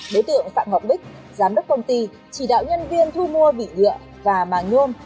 bế tượng phạm ngọc bích giám đốc công ty chỉ đạo nhân viên thu mua vị lựa và màng nhôm